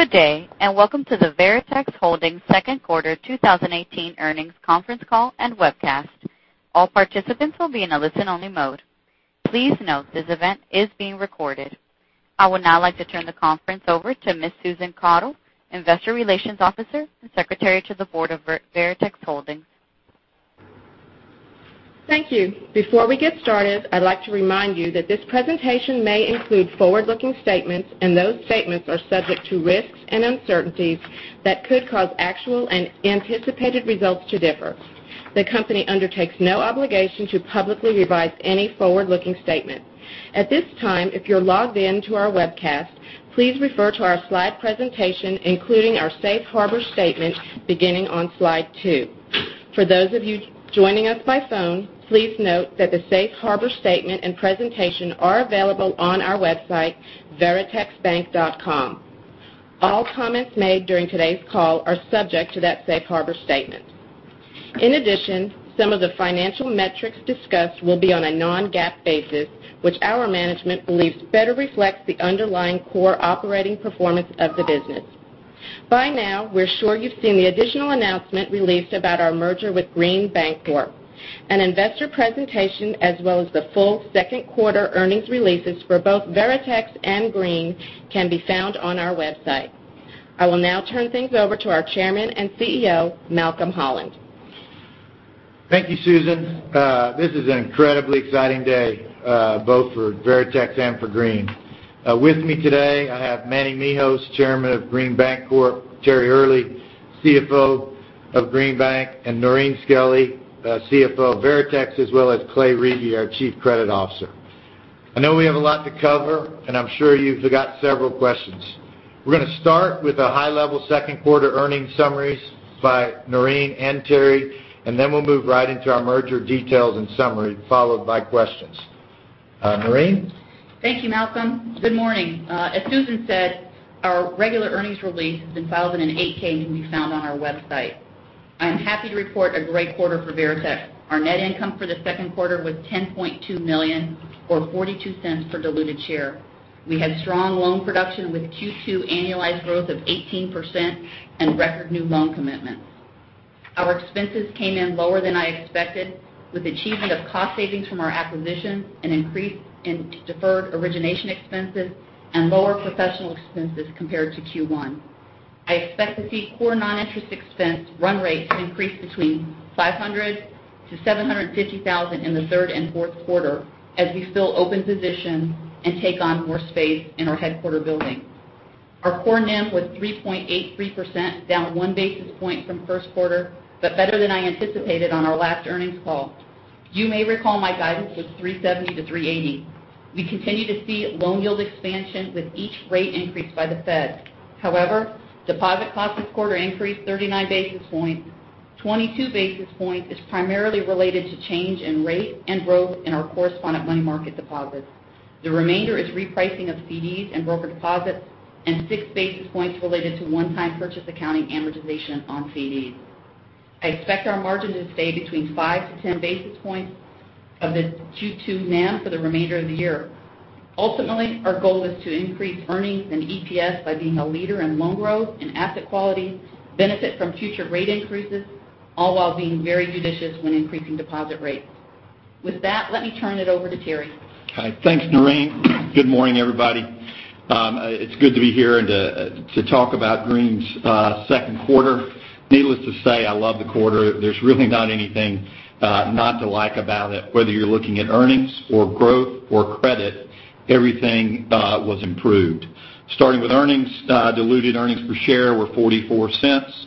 Good day, welcome to the Veritex Holdings second quarter 2018 earnings conference call and webcast. All participants will be in a listen-only mode. Please note this event is being recorded. I would now like to turn the conference over to Ms. Susan Caudle, Investor Relations Officer and Secretary to the Board of Veritex Holdings. Thank you. Before we get started, I'd like to remind you that this presentation may include forward-looking statements, those statements are subject to risks and uncertainties that could cause actual and anticipated results to differ. The company undertakes no obligation to publicly revise any forward-looking statement. At this time, if you're logged in to our webcast, please refer to our slide presentation, including our safe harbor statement, beginning on slide two. For those of you joining us by phone, please note that the safe harbor statement and presentation are available on our website, veritexbank.com. All comments made during today's call are subject to that safe harbor statement. In addition, some of the financial metrics discussed will be on a non-GAAP basis, which our management believes better reflects the underlying core operating performance of the business. By now, we're sure you've seen the additional announcement released about our merger with Green Bancorp, Inc. An investor presentation, as well as the full second quarter earnings releases for both Veritex and Green, can be found on our website. I will now turn things over to our Chairman and CEO, C. Malcolm Holland. Thank you, Susan. This is an incredibly exciting day, both for Veritex and for Green. With me today, I have Manny Mehos, Chairman of Green Bancorp, Inc., Terry Earley, CFO of Green Bank, and Noreen Skelly, CFO of Veritex, as well as Clay Riebe, our Chief Credit Officer. I know we have a lot to cover, I'm sure you've got several questions. We're going to start with a high-level second quarter earnings summaries by Noreen and Terry, then we'll move right into our merger details and summary, followed by questions. Noreen? Thank you, Malcolm. Good morning. As Susan said, our regular earnings release has been filed in an 8-K and can be found on our website. I am happy to report a great quarter for Veritex. Our net income for the second quarter was $10.2 million, or $0.42 per diluted share. We had strong loan production with Q2 annualized growth of 18% and record new loan commitments. Our expenses came in lower than I expected with achievement of cost savings from our acquisitions, an increase in deferred origination expenses, and lower professional expenses compared to Q1. I expect to see core non-interest expense run rates increase between $500,000-$750,000 in the third and fourth quarter as we fill open positions and take on more space in our headquarter building. Our core NIM was 3.83%, down one basis point from first quarter, but better than I anticipated on our last earnings call. You may recall my guidance was 370 basis points-380 basis points. However, deposit costs this quarter increased 39 basis points. 22 basis points is primarily related to change in rate and growth in our correspondent money market deposits. The remainder is repricing of CDs and broker deposits and six basis points related to one-time purchase accounting amortization on CDs. I expect our margin to stay between 5 basis points-10 basis points of the Q2 NIM for the remainder of the year. Ultimately, our goal is to increase earnings and EPS by being a leader in loan growth and asset quality, benefit from future rate increases, all while being very judicious when increasing deposit rates. With that, let me turn it over to Terry. Okay. Thanks, Noreen. Good morning, everybody. It's good to be here and to talk about Green's second quarter. Needless to say, I love the quarter. There's really not anything not to like about it. Whether you're looking at earnings or growth or credit, everything was improved. Starting with earnings, diluted earnings per share were $0.44,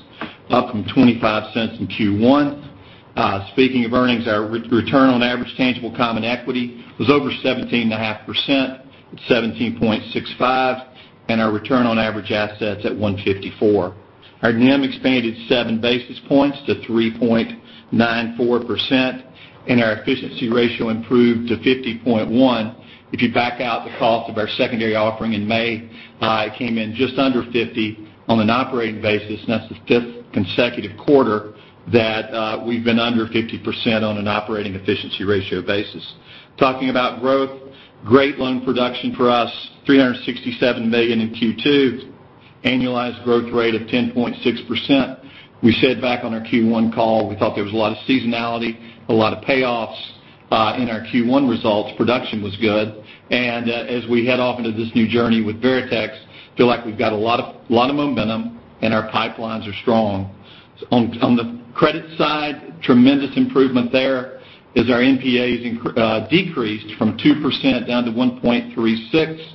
up from $0.25 in Q1. Speaking of earnings, our return on average tangible common equity was over 17.5%, at 17.65%, and our return on average assets at 154. Our NIM expanded seven basis points to 3.94%, and our efficiency ratio improved to 50.1%. If you back out the cost of our secondary offering in May, it came in just under 50% on an operating basis. That's the fifth consecutive quarter that we've been under 50% on an operating efficiency ratio basis. Talking about growth, great loan production for us, $367 million in Q2, annualized growth rate of 10.6%. We said back on our Q1 call, we thought there was a lot of seasonality, a lot of payoffs in our Q1 results. Production was good. As we head off into this new journey with Veritex, feel like we've got a lot of momentum, and our pipelines are strong. On the credit side, tremendous improvement there, as our NPAs decreased from 2% down to 1.36%.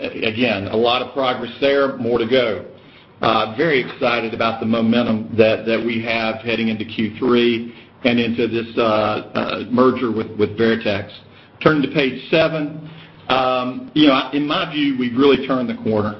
Again, a lot of progress there, more to go. Very excited about the momentum that we have heading into Q3 and into this merger with Veritex. Turning to page seven. In my view, we've really turned the corner.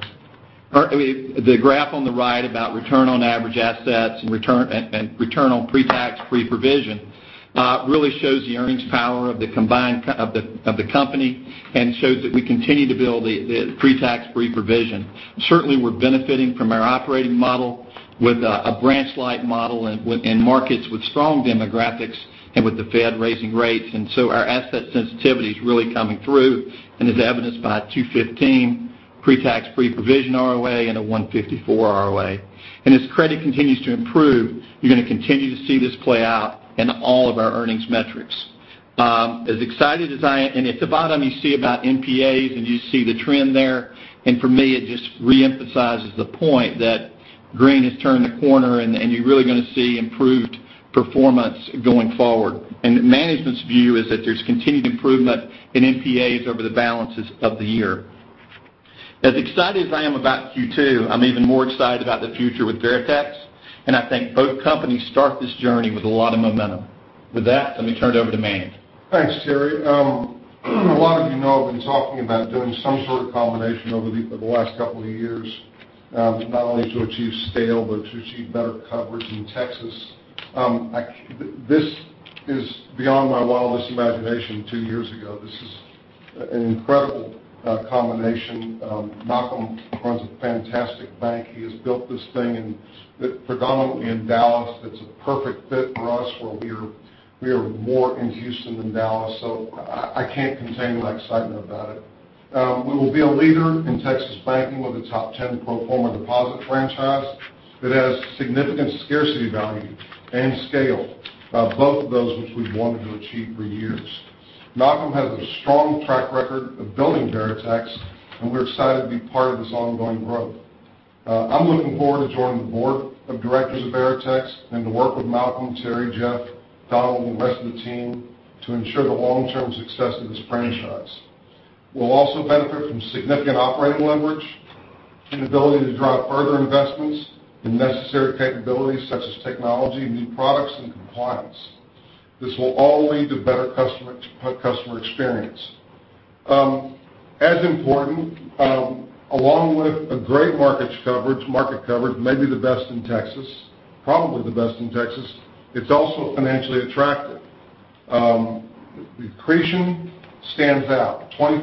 The graph on the right about return on average assets and return on pre-tax, pre-provision really shows the earnings power of the company and shows that we continue to build the pre-tax, pre-provision. Certainly, we're benefiting from our operating model with a branch-like model in markets with strong demographics and with the Fed raising rates. Our asset sensitivity is really coming through and is evidenced by a 2.15% pre-tax, pre-provision ROA and a 1.54% ROA. As credit continues to improve, you're going to continue to see this play out in all of our earnings metrics. As excited as I am, at the bottom you see about NPAs and you see the trend there. For me, it just re-emphasizes the point that Green has turned the corner and you're really going to see improved performance going forward. Management's view is that there's continued improvement in NPAs over the balances of the year. As excited as I am about Q2, I'm even more excited about the future with Veritex, and I think both companies start this journey with a lot of momentum. With that, let me turn it over to Manny. Thanks, Terry. A lot of you know I've been talking about doing some sort of combination over the last couple of years, not only to achieve scale but to achieve better coverage in Texas. This is beyond my wildest imagination two years ago. This is an incredible combination. Malcolm runs a fantastic bank. He has built this thing predominantly in Dallas. It's a perfect fit for us, while we are more in Houston than Dallas. I can't contain my excitement about it. We will be a leader in Texas banking with a top 10 pro forma deposit franchise that has significant scarcity value and scale, both of those which we've wanted to achieve for years. Malcolm has a strong track record of building Veritex, and we're excited to be part of this ongoing growth. I'm looking forward to joining the board of directors of Veritex and to work with Malcolm, Terry, Jeff, Donald, and the rest of the team to ensure the long-term success of this franchise. We'll also benefit from significant operating leverage and ability to drive further investments in necessary capabilities such as technology, new products, and compliance. This will all lead to better customer experience. As important, along with a great market coverage, maybe the best in Texas, probably the best in Texas, it's also financially attractive. Accretion stands out. 25%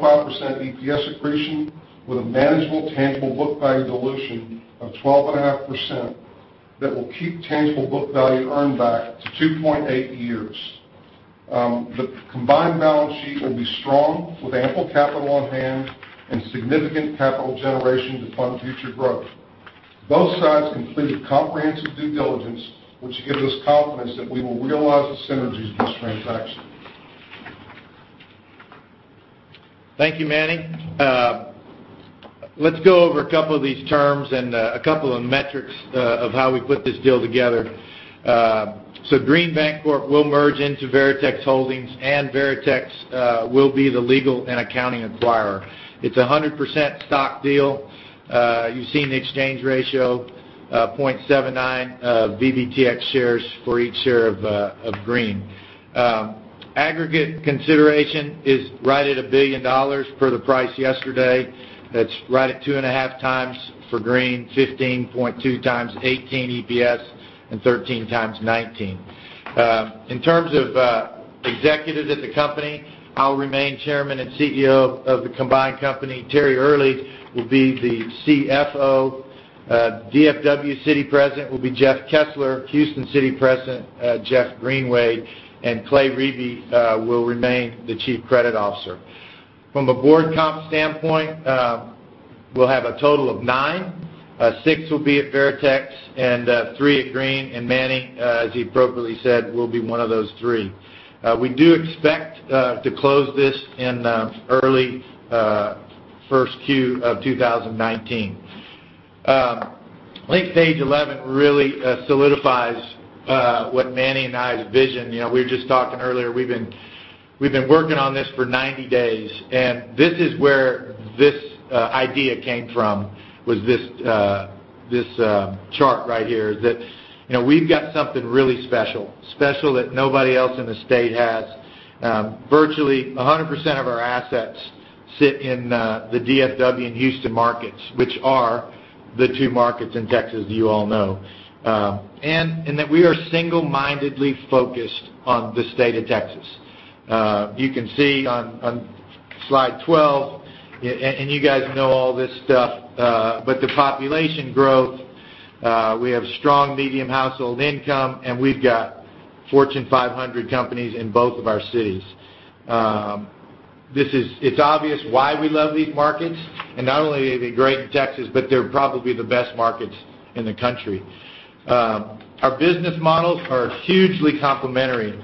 EPS accretion with a manageable tangible book value dilution of 12.5% that will keep tangible book value earn back to 2.8 years. The combined balance sheet will be strong with ample capital on hand and significant capital generation to fund future growth. Both sides completed comprehensive due diligence, which gives us confidence that we will realize the synergies of this transaction. Thank you, Manny. Let's go over a couple of these terms and a couple of metrics of how we put this deal together. Green Bancorp will merge into Veritex Holdings, and Veritex will be the legal and accounting acquirer. It's a 100% stock deal. You've seen the exchange ratio, 0.79 VBTX shares for each share of Green. Aggregate consideration is right at $1 billion per the price yesterday. That's right at 2.5x for Green, 15.2x 2018 EPS, and 13x 2019. In terms of executives at the company, I'll remain Chairman and CEO of the combined company. Terry Earley will be the CFO. DFW City President will be Jeff Kesler, Houston City President, Jeff Greenwade, and Clay Riebe will remain the Chief Credit Officer. From a board comp standpoint, we'll have a total of nine. Six will be at Veritex and three at Green, and Manny, as he appropriately said, will be one of those three. We do expect to close this in early first Q of 2019. I think page 11 really solidifies what Manny and I's vision. We were just talking earlier, we've been working on this for 90 days, and this is where this idea came from, was this chart right here. That we've got something really special that nobody else in the state has. Virtually 100% of our assets sit in the DFW and Houston markets, which are the two markets in Texas you all know. That we are single-mindedly focused on the state of Texas. You can see on slide 12. You guys know all this stuff, but the population growth, we have strong median household income, and we've got Fortune 500 companies in both of our cities. It's obvious why we love these markets, but they're probably the best markets in the country. Our business models are hugely complementary.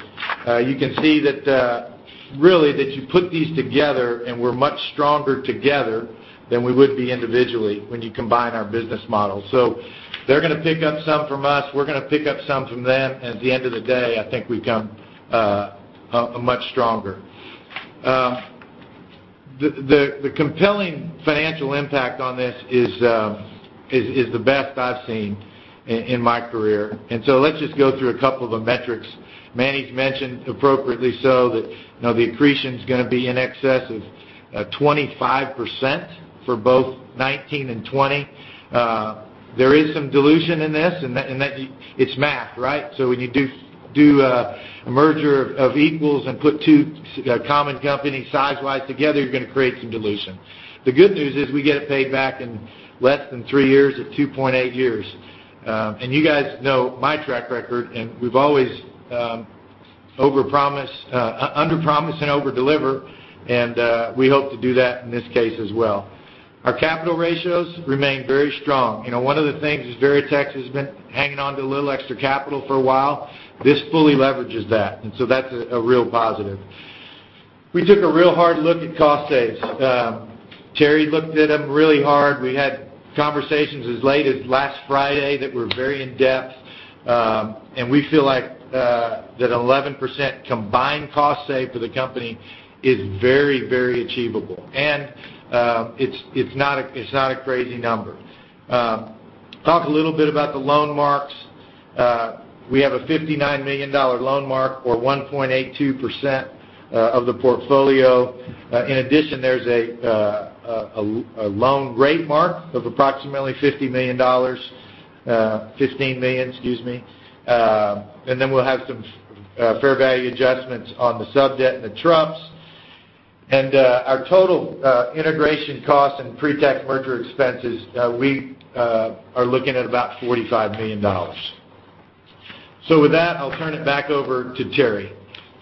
You can see that really that you put these together, and we're much stronger together than we would be individually when you combine our business models. They're going to pick up some from us, we're going to pick up some from them, and at the end of the day, I think become much stronger. The compelling financial impact on this is the best I've seen in my career. Let's just go through a couple of the metrics. Manny's mentioned appropriately so that the accretion is going to be in excess of 25% for both 2019 and 2020. There is some dilution in this. It's math, right? When you do a merger of equals and put two common companies size-wise together, you're going to create some dilution. The good news is we get it paid back in less than three years at 2.8 years. You guys know my track record, and we've always underpromise and overdeliver, and we hope to do that in this case as well. Our capital ratios remain very strong. One of the things is Veritex has been hanging on to a little extra capital for a while. This fully leverages that's a real positive. We took a real hard look at cost saves. Terry looked at them really hard. We had conversations as late as last Friday that were very in-depth. We feel like that 11% combined cost save for the company is very achievable. It's not a crazy number. Talk a little bit about the loan marks. We have a $59 million loan mark, or 1.82% of the portfolio. In addition, there's a loan rate mark of approximately $50 million. $15 million, excuse me. We'll have some fair value adjustments on the sub-debt and the tranches. Our total integration cost and pre-tax merger expenses, we are looking at about $45 million. With that, I'll turn it back over to Terry.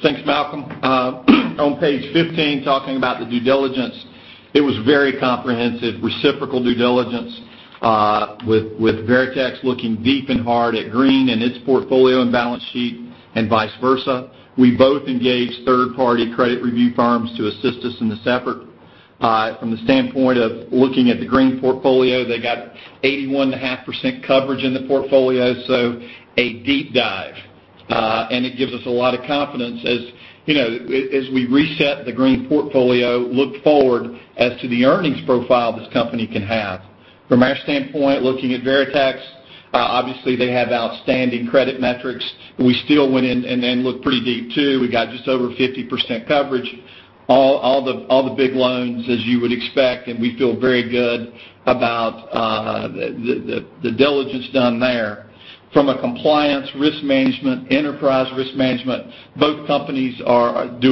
Thanks, Malcolm. On page 15, talking about the due diligence, it was very comprehensive, reciprocal due diligence with Veritex looking deep and hard at Green and its portfolio and balance sheet and vice versa. We both engaged third-party credit review firms to assist us in the separate. From the standpoint of looking at the Green portfolio, they got 81.5% coverage in the portfolio, so a deep dive. It gives us a lot of confidence as we reset the Green portfolio, look forward as to the earnings profile this company can have. From our standpoint, looking at Veritex, obviously they have outstanding credit metrics. We still went in and looked pretty deep too. We got just over 50% coverage. All the big loans, as you would expect, and we feel very good about the diligence done there. From a compliance, risk management, enterprise risk management, both companies do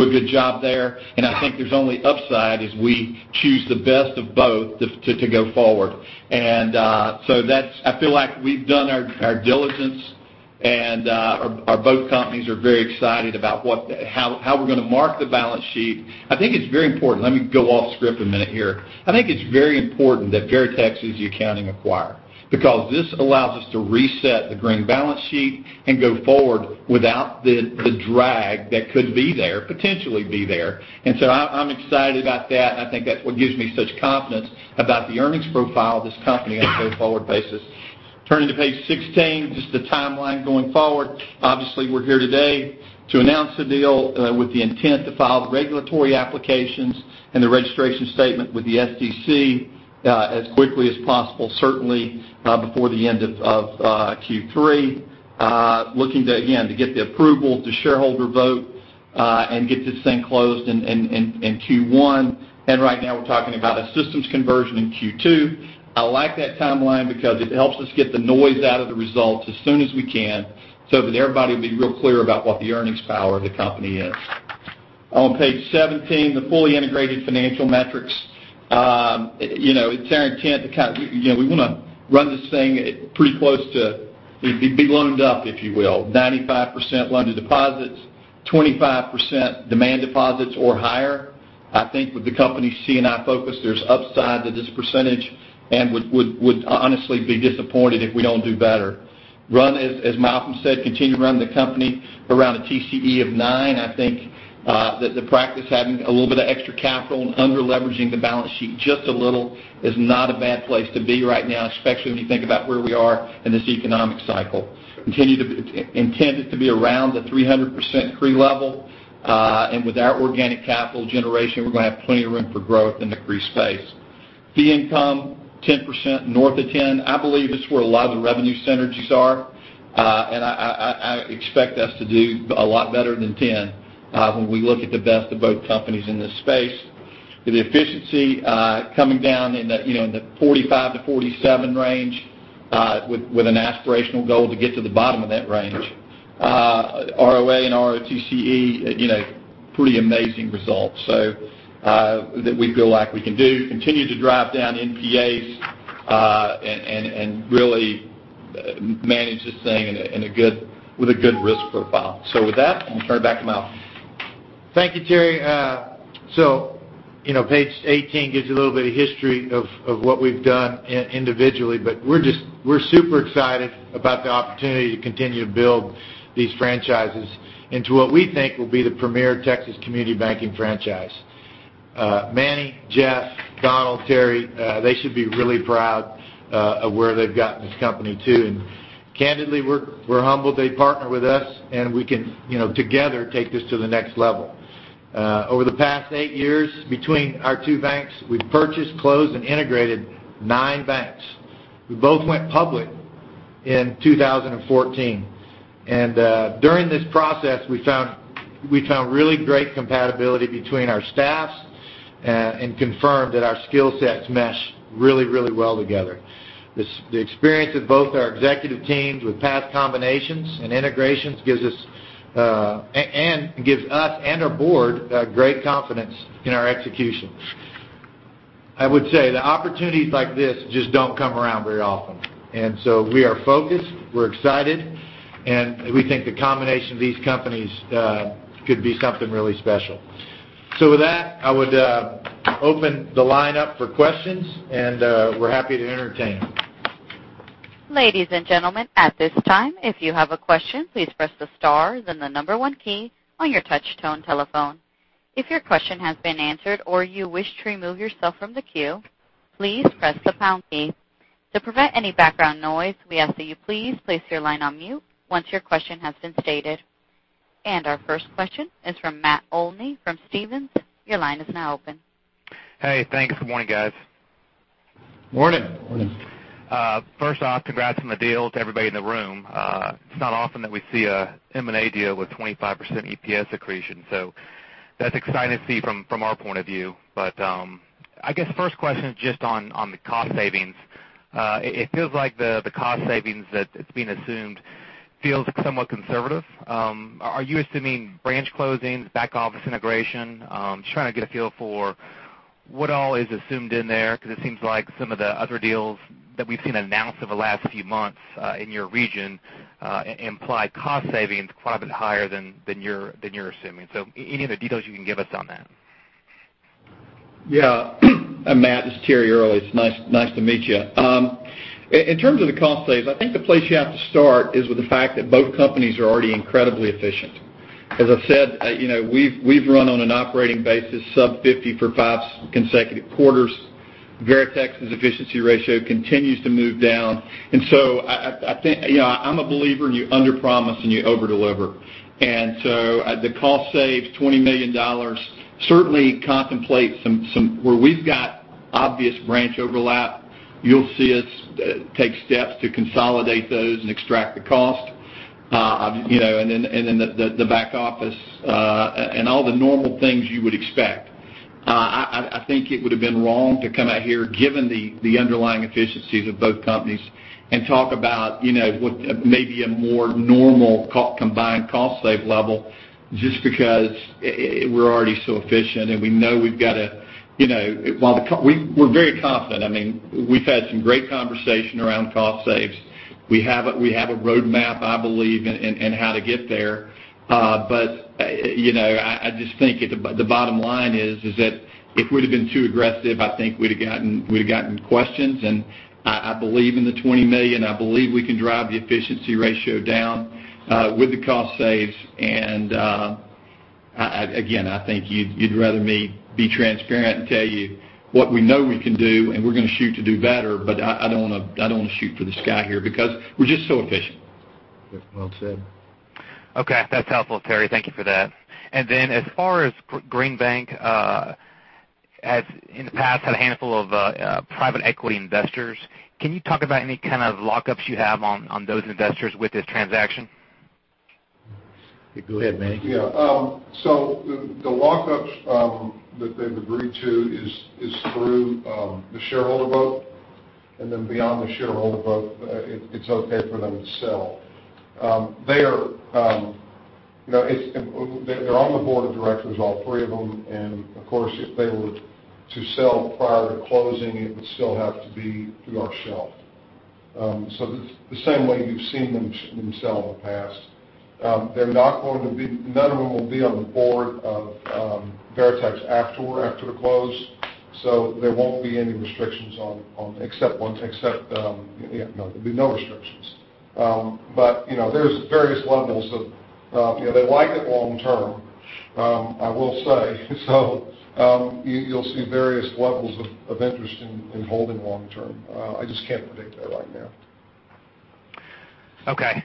a good job there. I think there's only upside as we choose the best of both to go forward. I feel like we've done our diligence, and both companies are very excited about how we're going to mark the balance sheet. I think it's very important. Let me go off script a minute here. I think it's very important that Veritex is the accounting acquirer because this allows us to reset the Green balance sheet and go forward without the drag that could be there, potentially be there. I'm excited about that, and I think that's what gives me such confidence about the earnings profile of this company on a go-forward basis. Turning to page 16, just the timeline going forward. Obviously, we're here today to announce the deal with the intent to file the regulatory applications and the registration statement with the SEC as quickly as possible, certainly before the end of Q3. Looking to, again, to get the approval, the shareholder vote, and get this thing closed in Q1. Right now, we're talking about a systems conversion in Q2. I like that timeline because it helps us get the noise out of the results as soon as we can so that everybody will be real clear about what the earnings power of the company is. On page 17, the fully integrated financial metrics. It's our intent to, we want to run this thing pretty close to be loaned up, if you will, 95% loan to deposits, 25% demand deposits or higher. I think with the company C&I focus, there's upside to this percentage and would honestly be disappointed if we don't do better. As Malcolm said, continue to run the company around a TCE of nine. I think that the practice having a little bit of extra capital and under-leveraging the balance sheet just a little is not a bad place to be right now, especially when you think about where we are in this economic cycle. Intend it to be around the 300% CRE level, and with our organic capital generation, we're going to have plenty of room for growth in the CRE space. Fee income, 10%, north of 10. I believe it's where a lot of the revenue synergies are. I expect us to do a lot better than 10 when we look at the best of both companies in this space. The efficiency coming down in the 45-47 range with an aspirational goal to get to the bottom of that range. ROA and ROTCE, pretty amazing results. That we feel like we can do, continue to drive down NPAs, and really manage this thing with a good risk profile. With that, I'm going to turn it back to Malcolm. Thank you, Terry. Page 18 gives you a little bit of history of what we've done individually, but we're super excited about the opportunity to continue to build these franchises into what we think will be the premier Texas community banking franchise. Manny, Jeff, Donald, Terry, they should be really proud of where they've gotten this company to. Candidly, we're humbled they partnered with us, and we can together take this to the next level. Over the past eight years, between our two banks, we've purchased, closed, and integrated nine banks. We both went public in 2014. During this process, we found really great compatibility between our staffs and confirmed that our skill sets mesh really well together. The experience of both our executive teams with past combinations and integrations gives us and our board great confidence in our execution. I would say that opportunities like this just don't come around very often. We are focused, we're excited, and we think the combination of these companies could be something really special. With that, I would open the line up for questions, and we're happy to entertain. Ladies and gentlemen, at this time, if you have a question, please press the star, then the number one key on your touch tone telephone. If your question has been answered or you wish to remove yourself from the queue, please press the pound key. To prevent any background noise, we ask that you please place your line on mute once your question has been stated. Our first question is from Matt Olney from Stephens. Your line is now open. Hey, thanks. Good morning, guys. Morning. Morning. First off, congrats on the deal to everybody in the room. It's not often that we see an M&A deal with 25% EPS accretion, that's exciting to see from our point of view. I guess first question is just on the cost savings. It feels like the cost savings that it's being assumed feels somewhat conservative. Are you assuming branch closings, back office integration? I'm just trying to get a feel for what all is assumed in there, because it seems like some of the other deals that we've seen announced over the last few months in your region imply cost savings quite a bit higher than you're assuming. Any of the details you can give us on that? Matt, this is Terry Earley. It's nice to meet you. In terms of the cost saves, I think the place you have to start is with the fact that both companies are already incredibly efficient. As I said, we've run on an operating basis sub 50 for five consecutive quarters. Veritex's efficiency ratio continues to move down, I'm a believer in you underpromise and you overdeliver. The cost saves $20 million certainly contemplates where we've got obvious branch overlap. You'll see us take steps to consolidate those and extract the cost, and then the back office, and all the normal things you would expect. I think it would have been wrong to come out here, given the underlying efficiencies of both companies, and talk about what may be a more normal combined cost save level just because we're already so efficient. We're very confident. We've had some great conversation around cost saves. We have a roadmap, I believe, in how to get there. I just think the bottom line is that if we'd have been too aggressive, I think we'd have gotten questions, and I believe in the $20 million. I believe we can drive the efficiency ratio down with the cost saves. Again, I think you'd rather me be transparent and tell you what we know we can do, and we're going to shoot to do better. I don't want to shoot for the sky here because we're just so efficient. Well said. Okay, that's helpful, Terry. Thank you for that. As far as Green Bank, in the past had a handful of private equity investors. Can you talk about any kind of lockups you have on those investors with this transaction? Go ahead, Manny. Yeah. The lockups that they've agreed to is through the shareholder vote, beyond the shareholder vote, it's okay for them to sell. They're on the board of directors, all three of them, of course, if they were to sell prior to closing, it would still have to be through our shelf. The same way you've seen them sell in the past. None of them will be on the board of Veritex after the close. Except one, there'll be no restrictions. There's various levels of they like it long term, I will say. You'll see various levels of interest in holding long term. I just can't predict that right now. Okay.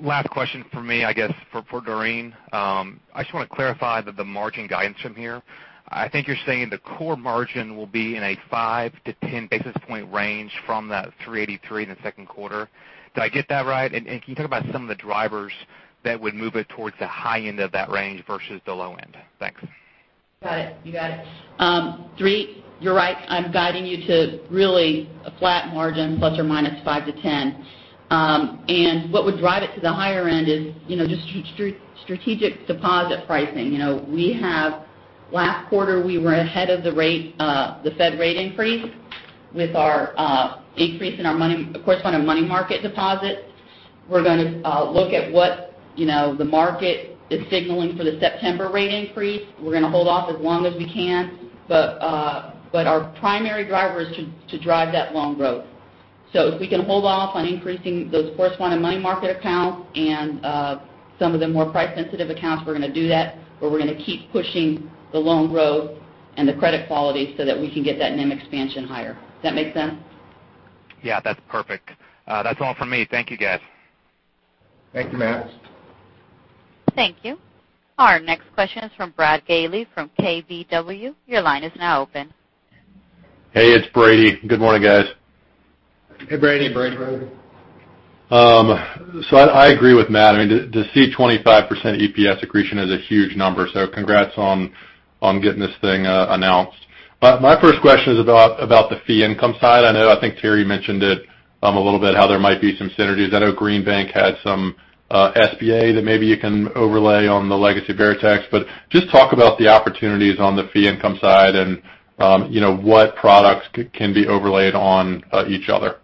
Last question from me, I guess for Noreen Skelly. I just want to clarify the margin guidance from here. I think you're saying the core margin will be in a 5 to 10 basis point range from that 383 in the second quarter. Did I get that right? Can you talk about some of the drivers that would move it towards the high end of that range versus the low end? Thanks. Got it. You got it. Three, you're right. I'm guiding you to really a flat margin, plus or minus 5 to 10. What would drive it to the higher end is just strategic deposit pricing. Last quarter, we were ahead of the Fed rate increase with our increase in our money, corresponding money market deposits. We're going to look at what the market is signaling for the September rate increase. We're going to hold off as long as we can. Our primary driver is to drive that loan growth. If we can hold off on increasing those corresponding money market accounts and some of the more price sensitive accounts, we're going to do that, but we're going to keep pushing the loan growth and the credit quality so that we can get that NIM expansion higher. Does that make sense? Yeah, that's perfect. That's all from me. Thank you, guys. Thank you, Matt. Thank you. Our next question is from Brady Gailey from KBW. Your line is now open. Hey, it's Brady. Good morning, guys. Hey, Brady. Brady. I agree with Matt. To see 25% EPS accretion is a huge number. Congrats on getting this thing announced. My first question is about the fee income side. I know, I think Terry mentioned it a little bit how there might be some synergies. I know Green Bank had some SBA that maybe you can overlay on the legacy Veritex. Just talk about the opportunities on the fee income side and what products can be overlaid on each other.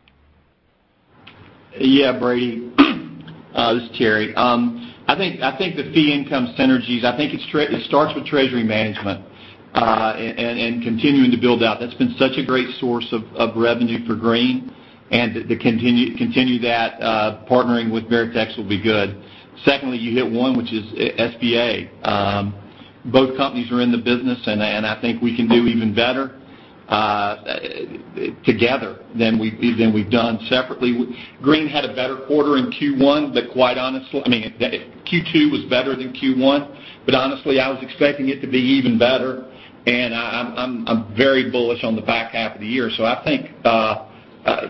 Brady. This is Terry. I think the fee income synergies, I think it starts with treasury management, and continuing to build out. That's been such a great source of revenue for Green, and to continue that partnering with Veritex will be good. Secondly, you hit one, which is SBA. Both companies are in the business, and I think we can do even better together than we've done separately. Green had a better quarter in Q1, Q2 was better than Q1, but honestly, I was expecting it to be even better. I'm very bullish on the back half of the year. I think,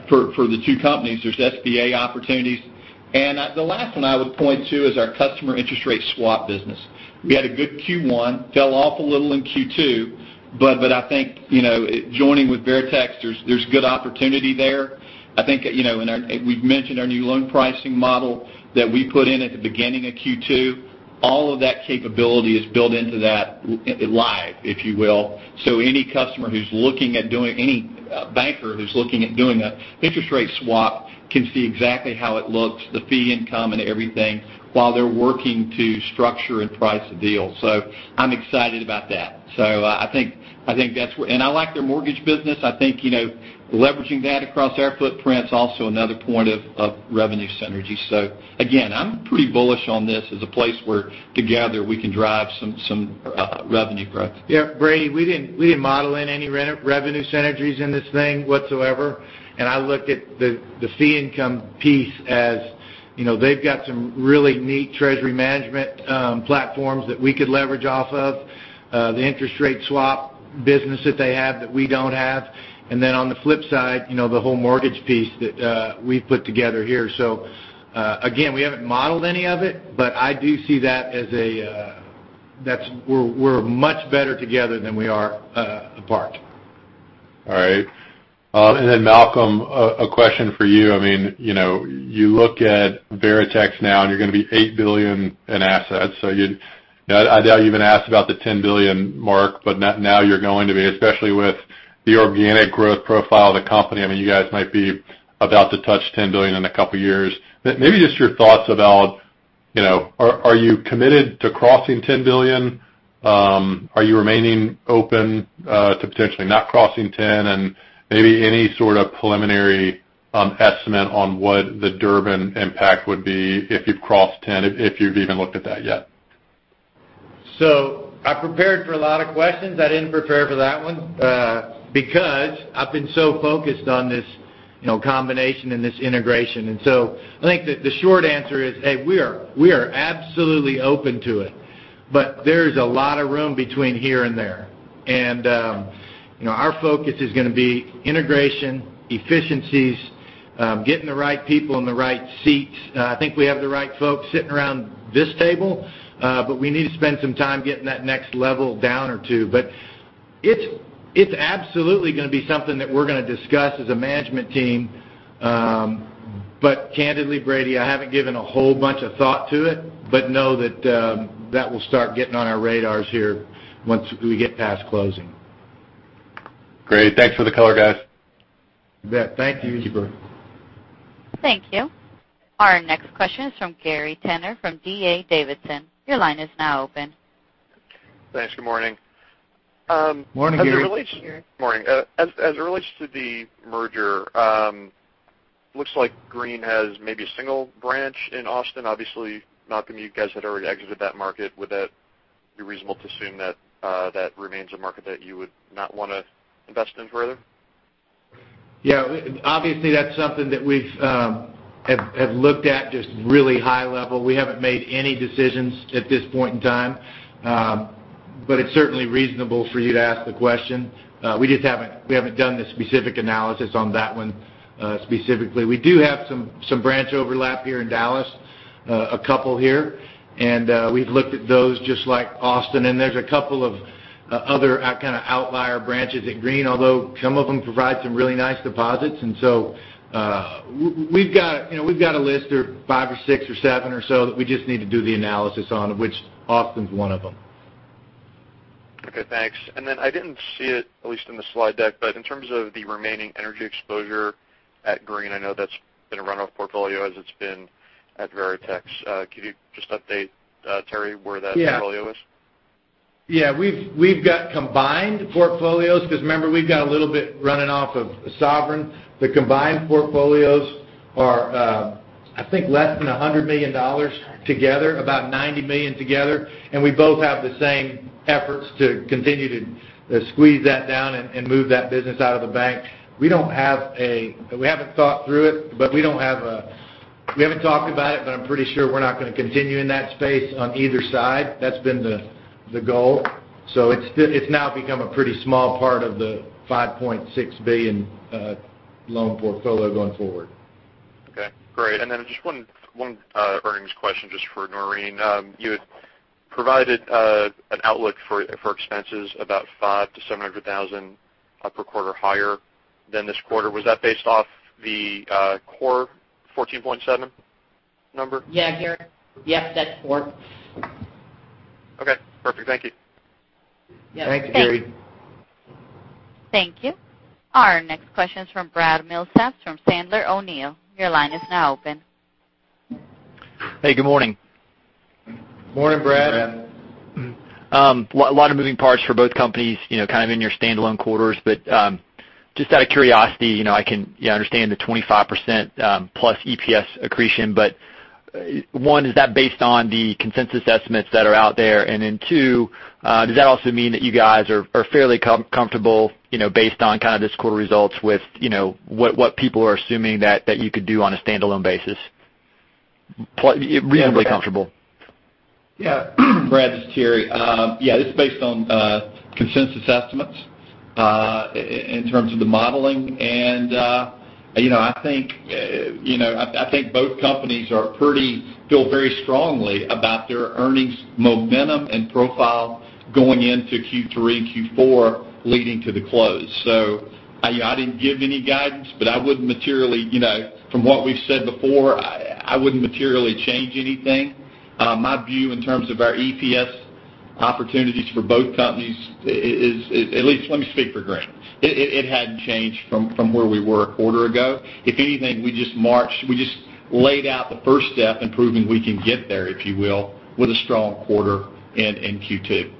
for the two companies, there's SBA opportunities. The last one I would point to is our customer interest rate swap business. We had a good Q1, fell off a little in Q2, I think, joining with Veritex, there's good opportunity there. I think, we've mentioned our new loan pricing model that we put in at the beginning of Q2. All of that capability is built into that live, if you will. Any banker who's looking at doing an interest rate swap can see exactly how it looks, the fee income and everything while they're working to structure and price the deal. I'm excited about that. I like their mortgage business. I think leveraging that across our footprint's also another point of revenue synergy. Again, I'm pretty bullish on this as a place where together we can drive some revenue growth. Brady, we didn't model in any revenue synergies in this thing whatsoever. I look at the fee income piece as they've got some really neat treasury management platforms that we could leverage off of. The interest rate swap business that they have that we don't have. On the flip side, the whole mortgage piece that we've put together here. Again, we haven't modeled any of it, I do see that as we're much better together than we are apart. Malcolm, a question for you. You look at Veritex now, you're going to be $8 billion in assets. I doubt you've been asked about the $10 billion mark, but now you're going to be, especially with the organic growth profile of the company. You guys might be about to touch $10 billion in a couple of years. Maybe just your thoughts about are you committed to crossing $10 billion? Are you remaining open to potentially not crossing $10 billion? Maybe any sort of preliminary estimate on what the Durbin impact would be if you cross $10 billion, if you've even looked at that yet. I prepared for a lot of questions. I didn't prepare for that one because I've been so focused on this combination and this integration. I think that the short answer is, hey, we are absolutely open to it, but there's a lot of room between here and there. Our focus is going to be integration, efficiencies, getting the right people in the right seats. I think we have the right folks sitting around this table. We need to spend some time getting that next level down or two. It's absolutely going to be something that we're going to discuss as a management team. Candidly, Brady, I haven't given a whole bunch of thought to it, but know that will start getting on our radars here once we get past closing. Great. Thanks for the color, guys. You bet. Thank you. You bet. Thank you. Our next question is from Gary Tenner from D.A. Davidson. Your line is now open. Thanks. Good morning. Morning, Gary. Morning. Morning. As it relates to the merger, looks like Green has maybe a single branch in Austin. Obviously, Malcolm, you guys had already exited that market. Would that be reasonable to assume that remains a market that you would not want to invest in further? Yeah. Obviously, that's something that we've looked at just really high level. We haven't made any decisions at this point in time. It's certainly reasonable for you to ask the question. We haven't done the specific analysis on that one specifically. We do have some branch overlap here in Dallas, a couple here, and we've looked at those just like Austin. There's a couple of other kind of outlier branches at Green, although some of them provide some really nice deposits. We've got a list. There are five or six or seven or so that we just need to do the analysis on, which Austin's one of them. Okay, thanks. I didn't see it, at least in the slide deck, but in terms of the remaining energy exposure at Green, I know that's been a runoff portfolio as it's been at Veritex. Could you just update, Terry, where that portfolio is? Yeah. We've got combined portfolios because remember, we've got a little bit running off of Sovereign. The combined portfolios are, I think less than $100 million together, about $90 million together. We both have the same efforts to continue to squeeze that down and move that business out of the bank. We haven't thought through it, we haven't talked about it. I'm pretty sure we're not going to continue in that space on either side. That's been the goal. It's now become a pretty small part of the $5.6 billion loan portfolio going forward. Okay, great. Just one earnings question just for Noreen. You had provided an outlook for expenses about $500,000-$700,000 per quarter higher than this quarter. Was that based off the core 14.7 number? Yeah, Gary. Yep, that's core. Okay, perfect. Thank you. Yeah. Thank you, Gary. Thank you. Our next question is from Brad Milsaps from Sandler O'Neill. Your line is now open. Hey, good morning. Morning, Brad. Morning, Brad. A lot of moving parts for both companies kind of in your standalone quarters. Just out of curiosity, I can understand the 25% plus EPS accretion. One, is that based on the consensus estimates that are out there? Two, does that also mean that you guys are fairly comfortable based on kind of this quarter results with what people are assuming that you could do on a standalone basis? Reasonably comfortable. Yeah. Brad, this is Terry. Yeah, this is based on consensus estimates in terms of the modeling. I think both companies feel very strongly about their earnings momentum and profile going into Q3 and Q4 leading to the close. I didn't give any guidance, but from what we've said before, I wouldn't materially change anything. My view in terms of our EPS opportunities for both companies, at least let me speak for Green. It hadn't changed from where we were a quarter ago. If anything, we just laid out the first step in proving we can get there, if you will, with a strong quarter in Q2.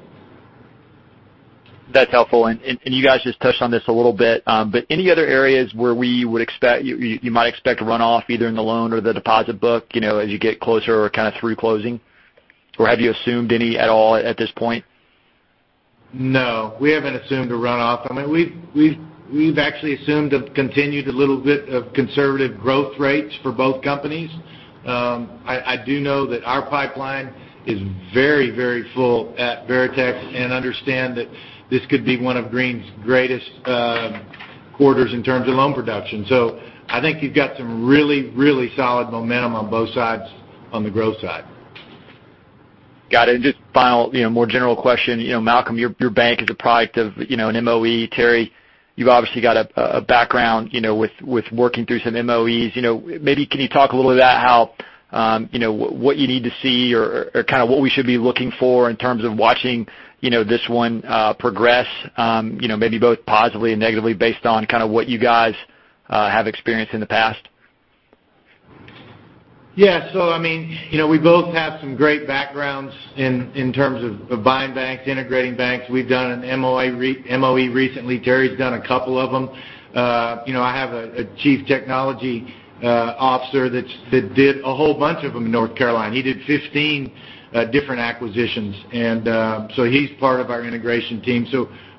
That's helpful. You guys just touched on this a little bit. Any other areas where you might expect a runoff either in the loan or the deposit book as you get closer or kind of through closing? Have you assumed any at all at this point? No, we haven't assumed a runoff. I mean, we've actually assumed a continued little bit of conservative growth rates for both companies. I do know that our pipeline is very full at Veritex and understand that this could be one of Green's greatest quarters in terms of loan production. I think you've got some really solid momentum on both sides on the growth side. Got it. Just final more general question. Malcolm, your bank is a product of an MOE. Terry, you've obviously got a background with working through some MOEs. Can you talk a little bit about what you need to see or kind of what we should be looking for in terms of watching this one progress maybe both positively and negatively based on kind of what you guys have experienced in the past? Yeah. I mean, we both have some great backgrounds in terms of buying banks, integrating banks. We've done an MOE recently. Terry's done a couple of them. I have a chief technology officer that did a whole bunch of them in North Carolina. He did 15 different acquisitions, he's part of our integration team.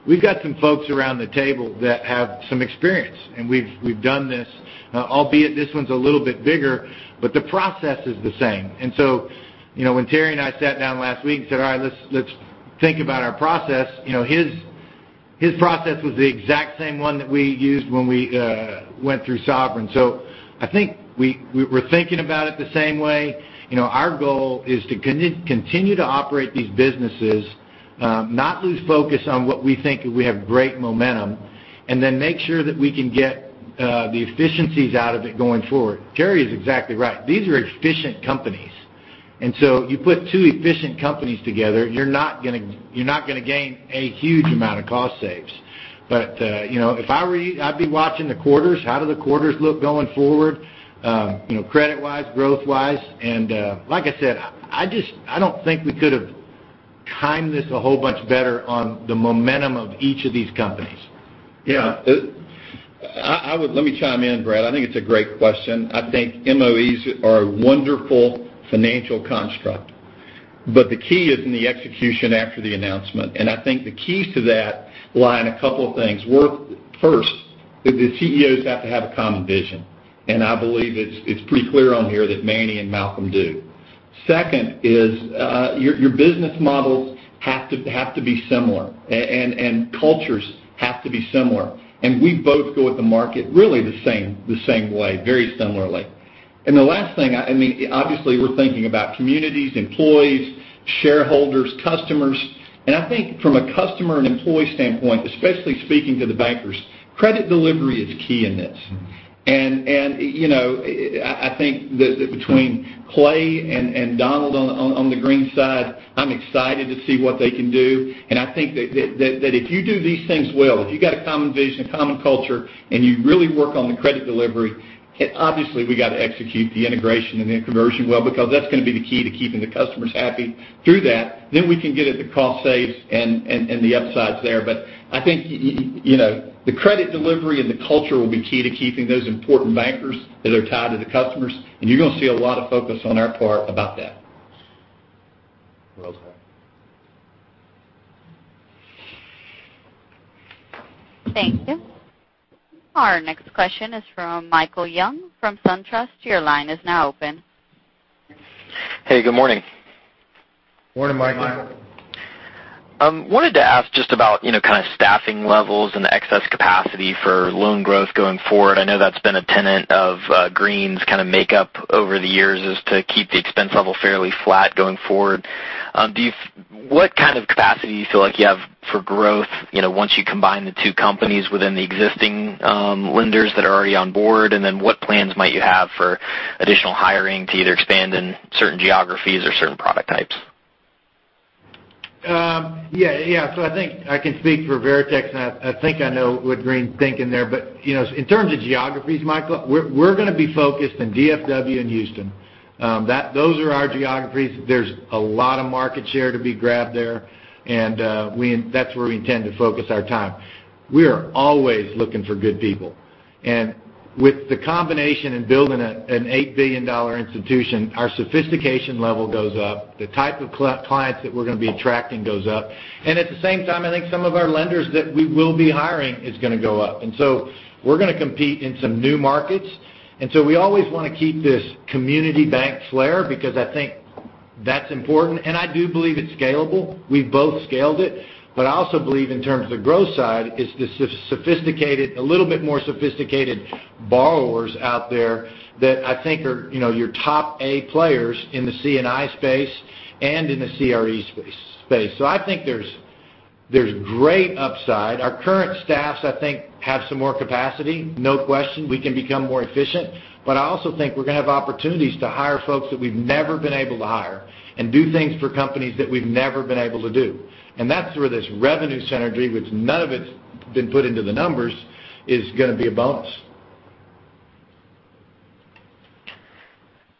We've got some folks around the table that have some experience, and we've done this, albeit this one's a little bit bigger, but the process is the same. When Terry and I sat down last week and said, "All right, let's think about our process," his process was the exact same one that we used when we went through Sovereign. I think we're thinking about it the same way. Our goal is to continue to operate these businesses, not lose focus on what we think we have great momentum, and then make sure that we can get the efficiencies out of it going forward. Terry is exactly right. These are efficient companies. You put two efficient companies together, you're not going to gain a huge amount of cost saves. I'd be watching the quarters. How do the quarters look going forward credit-wise, growth-wise? Like I said, I don't think we could have timed this a whole bunch better on the momentum of each of these companies. Let me chime in, Brad. I think it's a great question. I think MOEs are a wonderful financial construct, but the key is in the execution after the announcement. I think the keys to that lie in a couple of things. First, the CEOs have to have a common vision, and I believe it's pretty clear on here that Manny and Malcolm do. Second is your business models have to be similar, and cultures have to be similar. We both go at the market really the same way, very similarly. The last thing, obviously we're thinking about communities, employees, shareholders, customers. I think from a customer and employee standpoint, especially speaking to the bankers, credit delivery is key in this. I think that between Clay and Donald on the Green side, I'm excited to see what they can do. I think that if you do these things well, if you've got a common vision, a common culture, and you really work on the credit delivery, obviously we got to execute the integration and the conversion well because that's going to be the key to keeping the customers happy through that. We can get at the cost saves and the upsides there. I think the credit delivery and the culture will be key to keeping those important bankers that are tied to the customers, and you're going to see a lot of focus on our part about that. Well said. Thank you. Our next question is from Michael Young from SunTrust. Your line is now open Hey, good morning. Morning, Michael. Wanted to ask just about kind of staffing levels and the excess capacity for loan growth going forward. I know that's been a tenet of Green's kind of makeup over the years, is to keep the expense level fairly flat going forward. Then what plans might you have for additional hiring to either expand in certain geographies or certain product types? Yeah. I think I can speak for Veritex, and I think I know what Green's thinking there. In terms of geographies, Michael, we're going to be focused in DFW and Houston. Those are our geographies. There's a lot of market share to be grabbed there, and that's where we intend to focus our time. We are always looking for good people. With the combination in building an $8 billion institution, our sophistication level goes up. The type of clients that we're going to be attracting goes up. At the same time, I think some of our lenders that we will be hiring is going to go up. We're going to compete in some new markets. We always want to keep this community bank flair because I think that's important, and I do believe it's scalable. We've both scaled it. I also believe in terms of the growth side is a little bit more sophisticated borrowers out there that I think are your top A players in the C&I space and in the CRE space. I think there's great upside. Our current staffs, I think, have some more capacity, no question. We can become more efficient. I also think we're going to have opportunities to hire folks that we've never been able to hire and do things for companies that we've never been able to do. That's where this revenue synergy, which none of it's been put into the numbers, is going to be a bonus.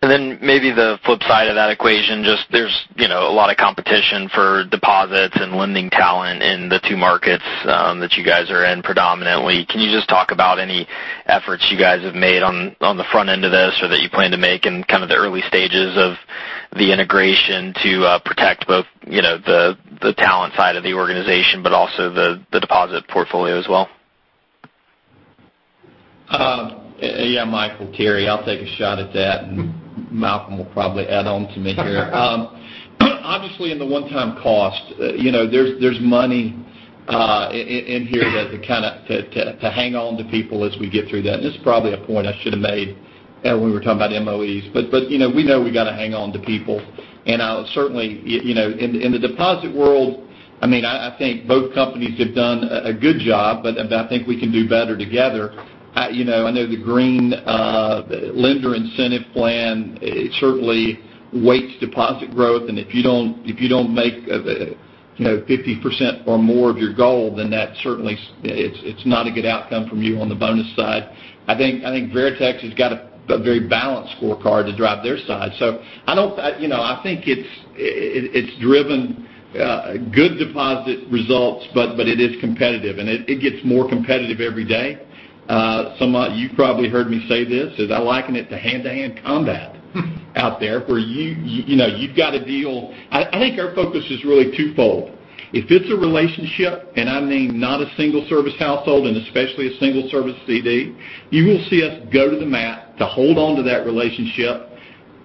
Maybe the flip side of that equation, just there's a lot of competition for deposits and lending talent in the two markets that you guys are in predominantly. Can you just talk about any efforts you guys have made on the front end of this or that you plan to make in kind of the early stages of the integration to protect both the talent side of the organization but also the deposit portfolio as well? Michael, Terry, I'll take a shot at that, Malcolm will probably add on to me here. Obviously, in the one-time cost there's money in here to hang on to people as we get through that. This is probably a point I should have made when we were talking about MOEs. We know we got to hang on to people. Certainly, in the deposit world, I think both companies have done a good job, but I think we can do better together. I know the Green lender incentive plan certainly weights deposit growth, and if you don't make 50% or more of your goal, then that certainly it's not a good outcome from you on the bonus side. I think Veritex has got a very balanced scorecard to drive their side. I think it's driven good deposit results, but it is competitive, and it gets more competitive every day. You've probably heard me say this, is I liken it to hand-to-hand combat out there where you've got to deal. I think our focus is really twofold. If it's a relationship, and I mean not a single service household and especially a single service CD, you will see us go to the mat to hold onto that relationship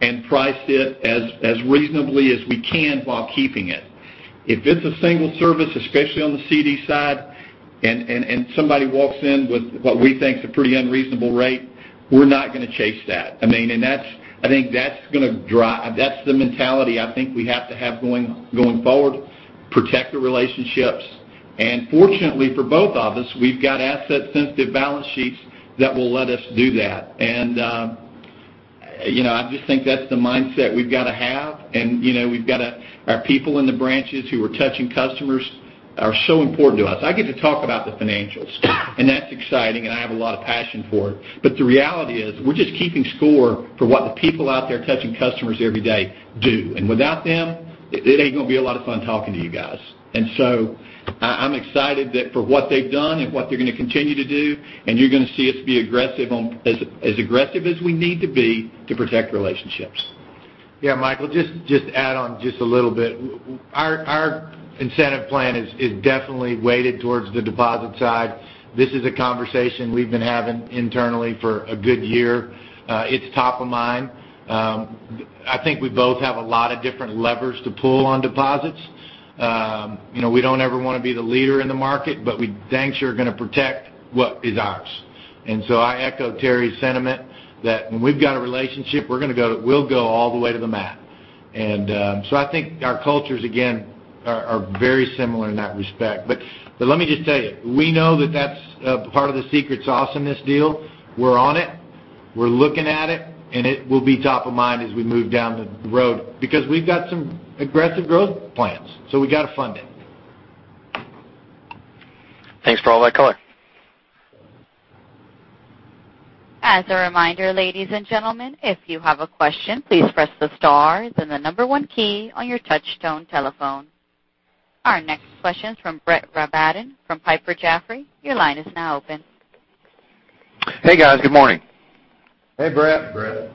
and price it as reasonably as we can while keeping it. If it's a single service, especially on the CD side, and somebody walks in with what we think is a pretty unreasonable rate, we're not going to chase that. I think that's the mentality I think we have to have going forward, protect the relationships. Fortunately for both of us, we've got asset sensitive balance sheets that will let us do that. I just think that's the mindset we've got to have. Our people in the branches who are touching customers are so important to us. I get to talk about the financials, and that's exciting, and I have a lot of passion for it. The reality is we're just keeping score for what the people out there touching customers every day do. Without them, it ain't going to be a lot of fun talking to you guys. I'm excited that for what they've done and what they're going to continue to do, and you're going to see us be as aggressive as we need to be to protect relationships. Yeah, Michael, just add on just a little bit. Our incentive plan is definitely weighted towards the deposit side. This is a conversation we've been having internally for a good year. It's top of mind. I think we both have a lot of different levers to pull on deposits. We don't ever want to be the leader in the market, but we dang sure are going to protect what is ours. I echo Terry's sentiment that when we've got a relationship, we'll go all the way to the mat. I think our cultures, again, are very similar in that respect. Let me just tell you, we know that that's part of the secret sauce in this deal. We're on it. We're looking at it, and it will be top of mind as we move down the road because we've got some aggressive growth plans, so we got to fund it. Thanks for all that color. As a reminder, ladies and gentlemen, if you have a question, please press the star, then the number 1 key on your touch tone telephone. Our next question's from Brett Rabatin from Piper Jaffray. Your line is now open. Hey, guys. Good morning. Hey, Brett. Hey, Brett.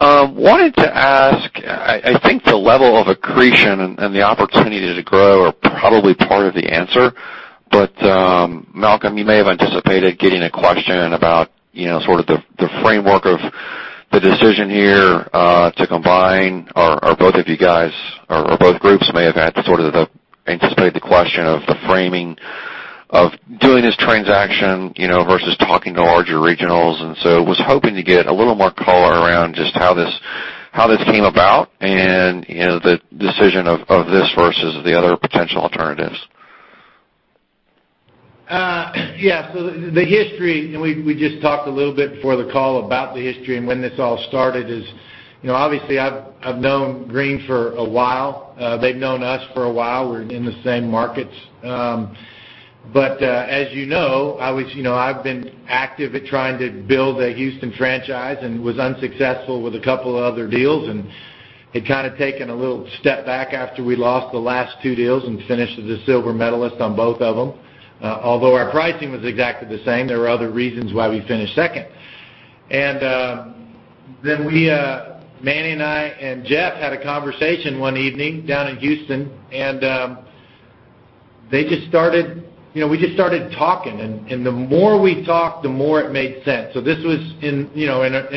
I wanted to ask, I think the level of accretion and the opportunity to grow are probably part of the answer. Malcolm, you may have anticipated getting a question about sort of the framework of the decision here to combine, or both of you guys, or both groups may have had sort of anticipated the question of the framing of doing this transaction versus talking to larger regionals. I was hoping to get a little more color around just how this came about and the decision of this versus the other potential alternatives. Yeah. The history, and we just talked a little bit before the call about the history and when this all started is, obviously I've known Green for a while. They've known us for a while. We're in the same markets. As you know, I've been active at trying to build a Houston franchise and was unsuccessful with a couple of other deals, and had kind of taken a little step back after we lost the last two deals and finished as the silver medalist on both of them. Although our pricing was exactly the same, there were other reasons why we finished second. Manny and I and Jeff had a conversation one evening down in Houston, we just started talking, the more we talked, the more it made sense. This was in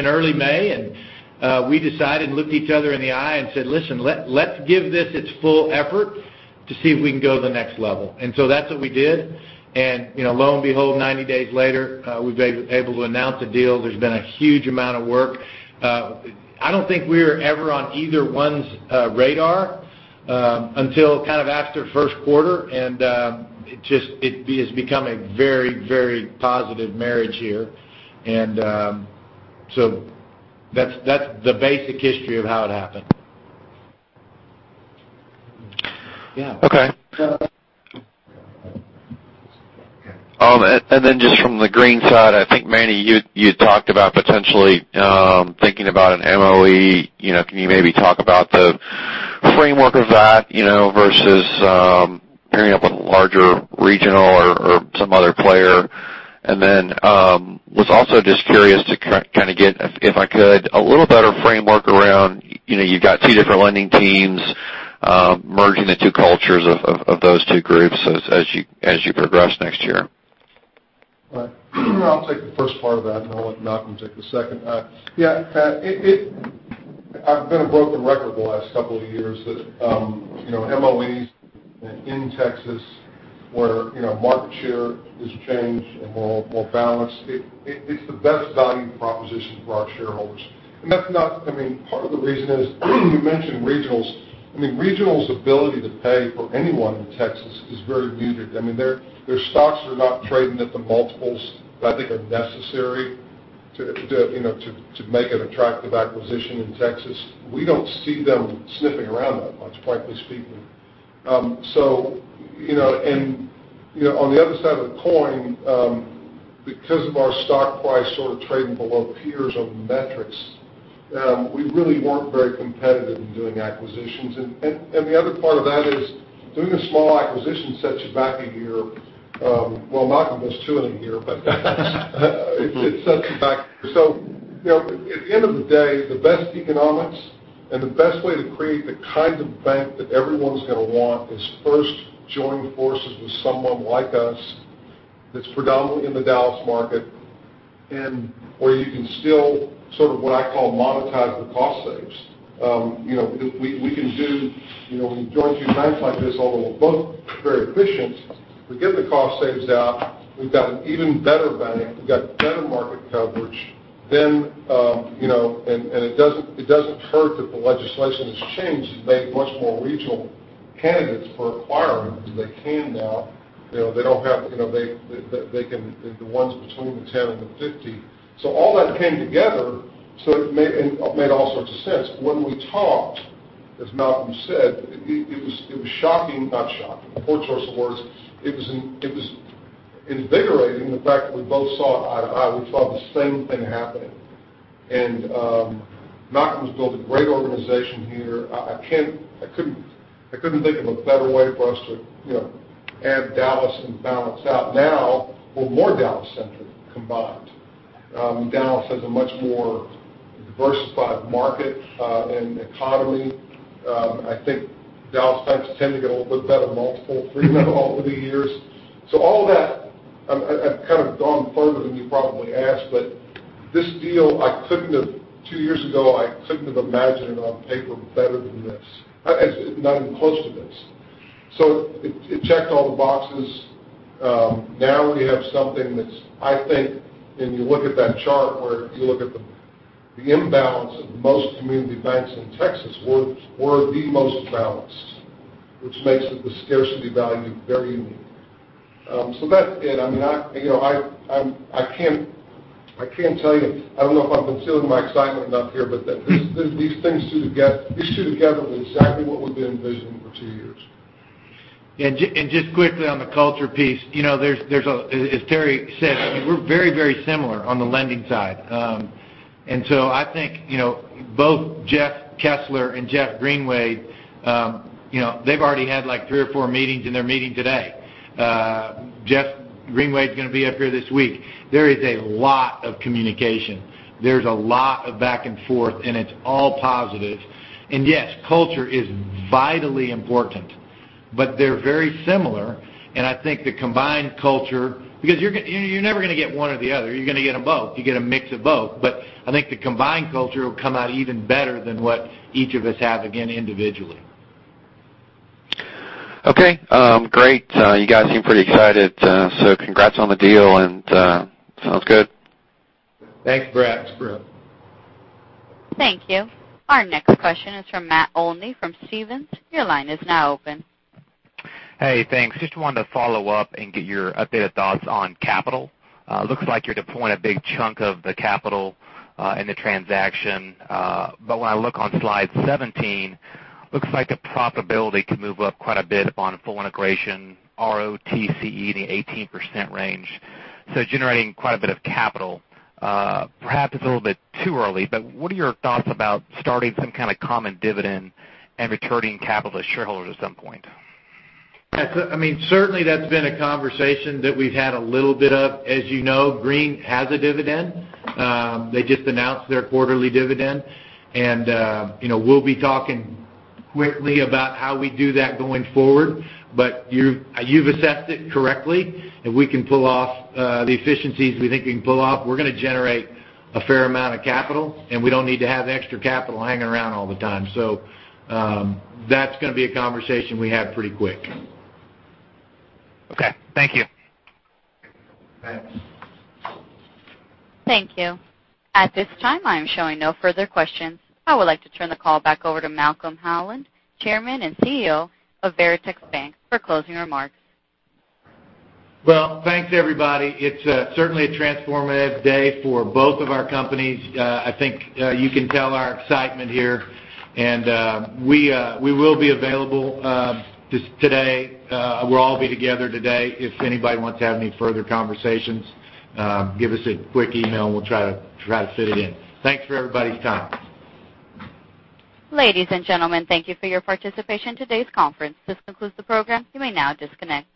early May, we decided, and looked each other in the eye and said, "Listen, let's give this its full effort to see if we can go to the next level." That's what we did. Lo and behold, 90 days later, we've been able to announce the deal. There's been a huge amount of work. I don't think we were ever on either one's radar, until kind of after first quarter. It has become a very positive marriage here. That's the basic history of how it happened. Okay. Just from the Green side, I think, Manny, you talked about potentially thinking about an MOE. Can you maybe talk about the framework of that versus pairing up with a larger regional or some other player? I was also just curious to kind of get, if I could, a little better framework around, you've got two different lending teams merging the two cultures of those two groups as you progress next year. Right. I'll take the first part of that, I'll let Malcolm take the second. I've been a broken record the last couple of years that MOEs in Texas, where market share has changed and more balanced, it's the best value proposition for our shareholders. Part of the reason is you mentioned regionals. Regionals ability to pay for anyone in Texas is very muted. Their stocks are not trading at the multiples that I think are necessary to make an attractive acquisition in Texas. On the other side of the coin, because of our stock price sort of trading below peers on the metrics, we really weren't very competitive in doing acquisitions. The other part of that is doing a small acquisition sets you back a year. Well, Malcolm was chewing a year, but it sets you back. At the end of the day, the best economics and the best way to create the kind of bank that everyone's going to want is first joining forces with someone like us that's predominantly in the Dallas market, where you can still sort of what I call monetize the cost saves. When you join two banks like this, although we're both very efficient, we get the cost saves down. We've got an even better bank. We've got better market coverage. It doesn't hurt that the legislation has changed to make much more regional candidates for acquiring because they can now. The ones between the 10 and the 50. All that came together, so it made all sorts of sense. When we talked, as Malcolm said, it was not shocking. Poor choice of words. It was invigorating, the fact that we both saw eye to eye. We saw the same thing happening. Malcolm has built a great organization here. I couldn't think of a better way for us to add Dallas and balance out. Now we're more Dallas-centric combined. Dallas has a much more diversified market and economy. I think Dallas banks tend to get a little bit better multiple premium over the years. All of that, I've kind of gone further than you probably asked, but this deal, two years ago, I couldn't have imagined it on paper better than this. Not even close to this. It checked all the boxes. Now we have something that's, I think when you look at that chart where if you look at the imbalance of most community banks in Texas, we're the most balanced, which makes the scarcity value very unique. That's it. I don't know if I'm concealing my excitement enough here, these two together is exactly what we've been envisioning for two years. Just quickly on the culture piece. As Terry said, we're very similar on the lending side. I think, both Jeff Kesler and Jeff Greenwade, they've already had 3 or 4 meetings, and they're meeting today. Jeff Greenwade is going to be up here this week. There is a lot of communication. There's a lot of back and forth, and it's all positive. Yes, culture is vitally important. But they're very similar. I think the combined culture because you're never going to get one or the other. You're going to get them both. You get a mix of both. I think the combined culture will come out even better than what each of us have, again, individually. Okay. Great. You guys seem pretty excited. Congrats on the deal, and sounds good. Thanks, Brett. Thank you. Our next question is from Matt Olney from Stephens. Your line is now open. Hey, thanks. Just wanted to follow up and get your updated thoughts on capital. Looks like you're deploying a big chunk of the capital in the transaction. When I look on slide 17, looks like the profitability could move up quite a bit upon full integration, ROTCE in the 18% range. Generating quite a bit of capital. Perhaps it's a little bit too early, but what are your thoughts about starting some kind of common dividend and returning capital to shareholders at some point? I mean, certainly that's been a conversation that we've had a little bit of. As you know, Green has a dividend. They just announced their quarterly dividend. We'll be talking quickly about how we do that going forward. You've assessed it correctly. If we can pull off the efficiencies we think we can pull off, we're going to generate a fair amount of capital, and we don't need to have extra capital hanging around all the time. That's going to be a conversation we have pretty quick. Okay. Thank you. Thanks. Thank you. At this time, I am showing no further questions. I would like to turn the call back over to Malcolm Holland, Chairman and CEO of Veritex Bank, for closing remarks. Well, thanks, everybody. It's certainly a transformative day for both of our companies. I think you can tell our excitement here. We will be available today. We'll all be together today. If anybody wants to have any further conversations, give us a quick email and we'll try to fit it in. Thanks for everybody's time. Ladies and gentlemen, thank you for your participation in today's conference. This concludes the program. You may now disconnect.